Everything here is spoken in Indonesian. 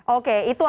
oke itu artinya